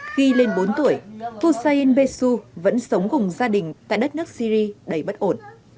khi lên bốn tuổi hussein besu vẫn sống cùng gia đình tại đất nước syri đầy bất ổn